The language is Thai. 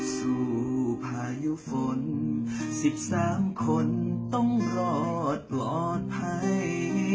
พายุฝน๑๓คนต้องรอดปลอดภัย